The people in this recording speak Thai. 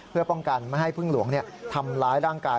เพื่อป้องกันไม่ให้พึ่งหลวงทำร้ายร่างกาย